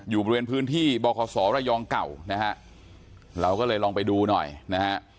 อยู่บริเวณพื้นที่บคศระยองเก่านะฮะเราก็เลยลองไปดูหน่อยนะฮะ